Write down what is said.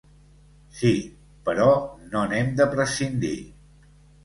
Sí, però no n’hem de prescindir.